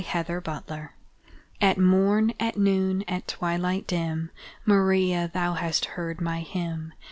CATHOLIC HYMN At morn at noon at twilight dim Maria! thou hast heard my hymn!